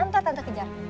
ntar tante kejar